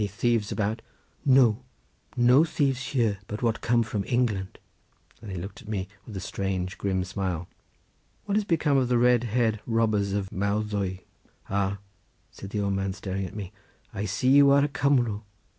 "Any thieves about?" "No, no thieves here, but what come from England," and he looked at me with a strange, grim smile. "What is become of the red haired robbers of Mawddwy?" "Ah," said the old man, staring at me, "I see you are a Cumro.